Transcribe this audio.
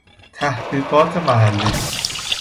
تحقیقات محلی